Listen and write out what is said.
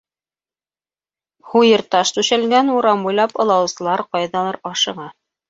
Һуйырташ түшәлгән урам буйлап ылаусылар ҡайҙалыр ашыға.